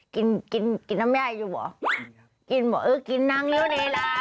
กินกินกินน้ำยายอยู่บ่กินบ่เออกินน้ำอยู่นี่ล่ะ